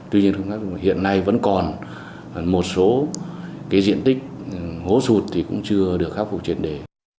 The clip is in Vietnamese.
tuy nhiên không khắc phục hiện nay vẫn còn một số diện tích hố sụt thì cũng chưa được khắc phục triệt đề